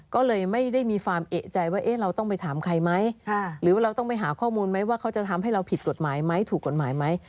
ก็เลยไม่ได้มีความเอกใจว่าเราต้องไปถามใครไหมหรือว่าเราต้องไปหาข้อมูลไหมว่าเขาจะทำให้เราผิดกฎหมายไหมถูกกฎหมายไหม